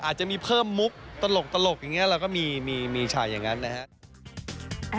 อาจจะมีเพิ่มมุกตลกอย่างนี้เราก็มีฉากอย่างนั้นนะครับ